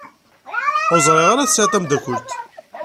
Ur ẓriɣ ara tesɛiḍ tameddakelt.